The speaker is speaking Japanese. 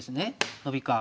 ノビか。